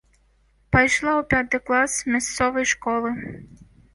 Пайшла ў пяты клас мясцовай школы.